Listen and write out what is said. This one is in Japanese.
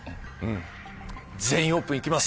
「全員オープン」いきます。